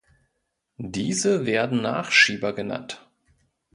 Diese werden Nachschieber genannt.